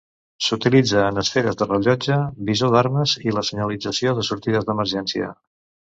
S'utilitza en esferes de rellotge, visor d'armes, i la senyalització de sortides d'emergència.